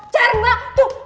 cari mbak tuh